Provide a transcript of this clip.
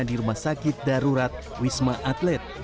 di rumah sakit darurat wisma atlet